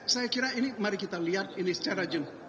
saya kira ini mari kita lihat ini secara jelas